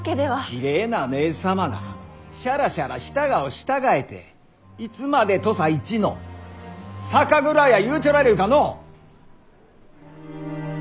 きれいなねえ様がシャラシャラしたがを従えていつまで土佐一の酒蔵や言うちょられるかのう？